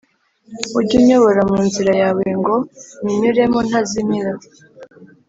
Ujye unyobora munzira yawe ngo nyinyuremo ntazimira